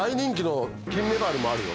金メバルもあるよ。